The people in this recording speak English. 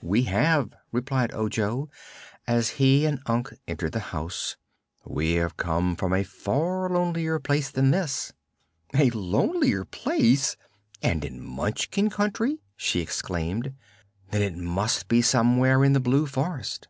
"We have," replied Ojo, as he and Unc entered the house. "We have come from a far lonelier place than this." "A lonelier place! And in the Munchkin Country?" she exclaimed. "Then it must be somewhere in the Blue Forest."